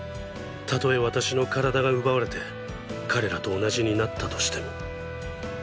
たとえ私の体が奪われて彼らと同じになったとしても。